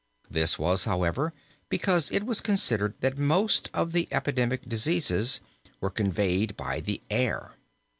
This was, however, because it was considered that most of the epidemic diseases were conveyed by the air.